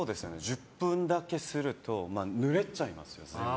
１０分だけすると濡れちゃいます、全部。